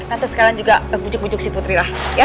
tante sekalian juga bujuk bujuk si putri lah ya